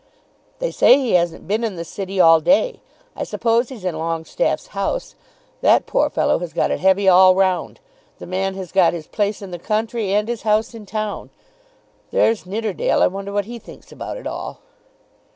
"They say he hasn't been in the City all day. I suppose he's in Longestaffe's house. That poor fellow has got it heavy all round. The man has got his place in the country and his house in town. There's Nidderdale. I wonder what he thinks about it all."